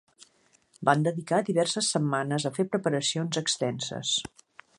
Van dedicar diverses setmanes a fer preparacions extenses.